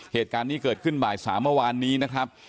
เหตุการณ์นี้เกิดขึ้นบ่าย๓เมื่อวานนี้นะครับ